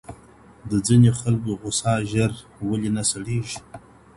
د ځيني خلکو غصه ژر ولي نه سړيږي؟